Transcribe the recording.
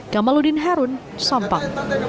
kamaludin harun sompak